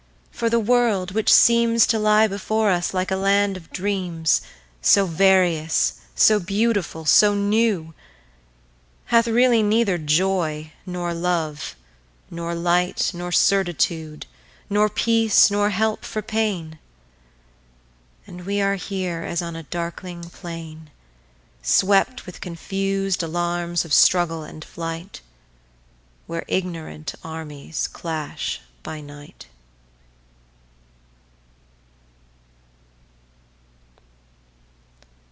for the world, which seemsTo lie before us like a land of dreams, So various, so beautiful, so new, Hath really neither joy, nor love, nor light, Nor certitude, nor peace, nor help for pain; And we are here as on a darkling plainSwept with confus'd alarms of struggle and flight, Where ignorant armies clash by night.